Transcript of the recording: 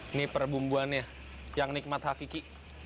ini perbumbuannya yang nikmat hakiki